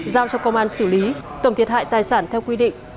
giao cho công an xử lý tổng thiệt hại tài sản theo quy định